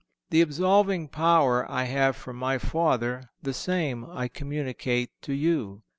The absolving power I have from My Father, the same I communicate to you.